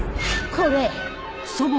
これ。